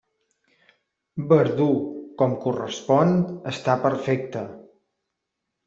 Verdú, com correspon, està perfecta.